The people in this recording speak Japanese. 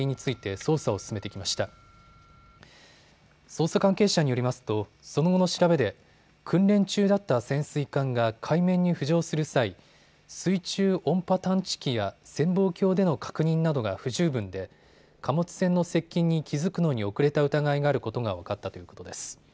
捜査関係者によりますとその後の調べで訓練中だった潜水艦が海面に浮上する際、水中音波探知機や潜望鏡での確認などが不十分で貨物船の接近に気付くのに遅れた疑いがあることが分かったということです。